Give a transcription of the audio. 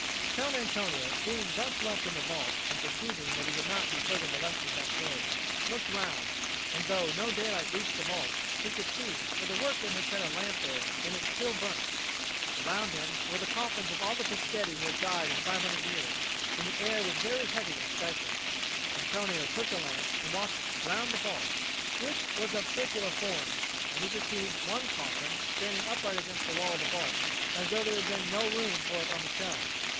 Count Antonio, being thus left in the vault, and perceiving that he would not be further molested that day, looked round; and though no daylight reached the vault, he could see, for the workmen had set a lamp there and it still burnt. Around him were the coffins of all the Peschetti who had died in five hundred years; and the air was heavy and stifling. Antonio took the lamp and walked round the vault, which was of circular form; and he perceived one coffin standing upright against the wall of the vault, as though there had been no room for it on the shelves.